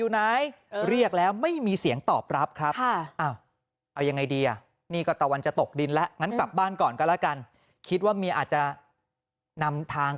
นำทางกลับบ้านก่อนแล้วมั้ง